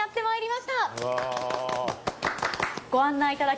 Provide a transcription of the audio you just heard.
はい。